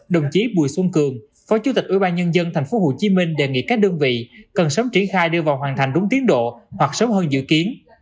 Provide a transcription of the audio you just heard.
đồng chí bùi xuân cường phó chủ tịch ubnd tp hcm đề nghị các đơn vị cần sớm triển khai đưa vào hoàn thành đúng tiến độ hoặc sớm hơn dự kiến